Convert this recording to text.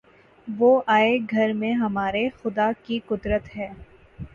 وہ آئے گھر میں ہمارے‘ خدا کی قدرت ہے!